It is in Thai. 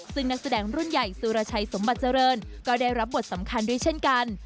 ซึ่งนักแสดงรุ่นใหญ่สุรชัยสมบัติเจริญก็ได้รับบทสำคัญด้วยเช่นกัน